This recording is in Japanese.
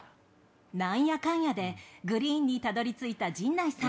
何やかんやでグリーンにたどり着いた陣内さん。